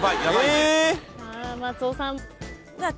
さあ松尾さん。